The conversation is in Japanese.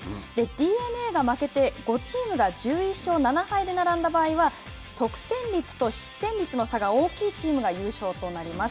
ＤｅＮＡが負けて５チームが１１勝７敗で並んだ場合は、得点率と失点率の差が大きいチームが優勝となります。